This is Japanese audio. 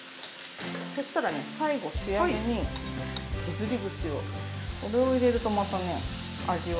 そしたらね最後仕上げに削り節をこれを入れるとまたね味わいがよくなるんです。